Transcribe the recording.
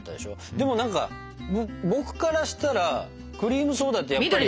でも何か僕からしたらクリームソーダってやっぱり。